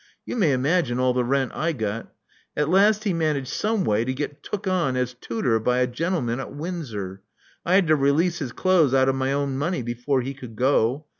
You may imagine all the rent I got. At last he managed someway to get took on as tutor by a gentleman at Windsor. I had to release his clothes out of my own money before he could go.